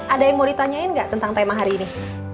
ada yang mau ditanyain nggak tentang tema hari ini